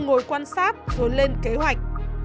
ngồi quan sát rồi lên kế hoạch